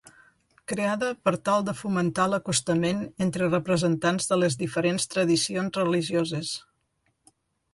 Creada per tal de fomentar l'acostament entre representants de les diferents tradicions religioses.